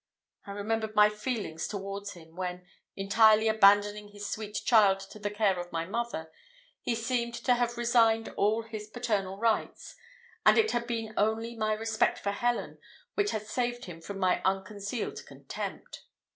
I remembered my feelings towards him when, entirely abandoning his sweet child to the care of my mother, he seemed to have resigned all his paternal rights, and it had been only my respect for Helen which had saved him from my unconcealed contempt.